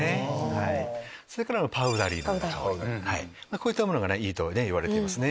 こういったものがいいといわれていますね。